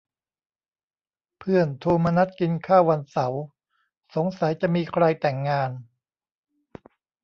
เพื่อนโทรมานัดกินข้าววันเสาร์ สงสัยจะมีใครแต่งงาน